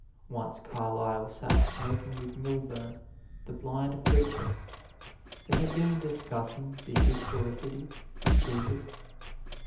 Once Carlyle sat smoking with Milburn, the blind preacher. They had been discussing the historicity of Jesus.